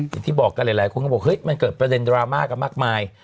อย่างที่บอกกันหลายคนก็บอกเฮ้ยมันเกิดประเด็นดราม่ากันมากมาย